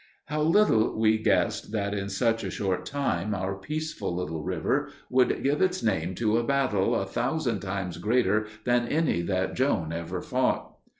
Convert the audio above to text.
How little we guessed that in such a short time our peaceful little river would give its name to a battle a thousand times greater than any that Joan ever fought!